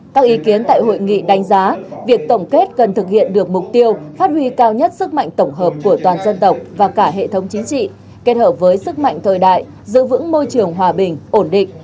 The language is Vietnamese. các ý kiến tại hội nghị đánh giá việc tổng kết cần thực hiện được mục tiêu phát huy cao nhất sức mạnh tổng hợp của toàn dân tộc và cả hệ thống chính trị kết hợp với sức mạnh thời đại giữ vững môi trường hòa bình ổn định